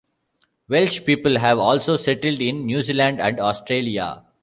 Welsh people have also settled in New Zealand and Australia.